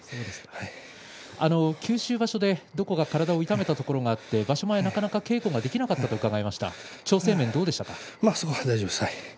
九州場所でどこか体を痛めたところがあって場所前なかなか稽古がそこは大丈夫です。